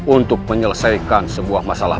untuk menyelesaikan sebuah masalah